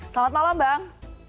selamat malam bang